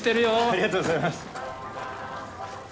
ありがとうございます。